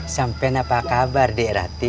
sampean apa kabar deh rati